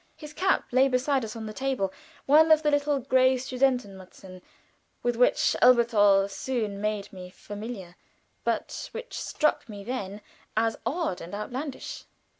His cap lay upon the table beside us, one of the little gray Studentenmutzen with which Elberthal soon made me familiar, but which struck me then as odd and outlandish.